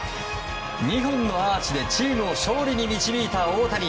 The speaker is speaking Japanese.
２本のアーチでチームを勝利に導いた大谷。